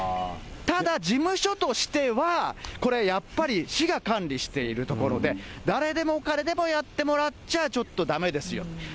ただ、事務所としては、これ、やっぱり市が管理しているところで、誰でも彼でもやってもらっちゃちょっとだめですよ。